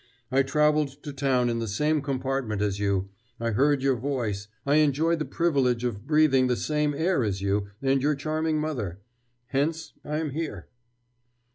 I travelled to town in the same compartment as you I heard your voice I enjoyed the privilege of breathing the same air as you and your charming mother. Hence I am here."